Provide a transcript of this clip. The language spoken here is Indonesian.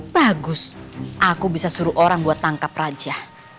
bagus aku bisa suruh orang buat tangkap raja